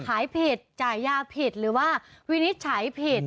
ขายผิดจ่ายยาผิดหรือว่าวินิจฉัยผิด